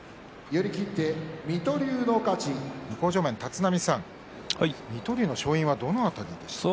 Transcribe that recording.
向正面の立浪さん、水戸龍の勝因はどの辺りですか？